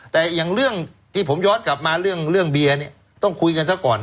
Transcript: แต่อย่างเรื่องที่ผมย้อนกลับมาเรื่องเบียร์เนี่ยต้องคุยกันซะก่อน